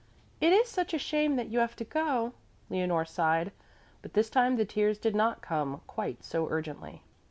"It is such a shame that you have to go," Leonore sighed, but this time the tears did not come quite so urgently.